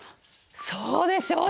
そうでしょう！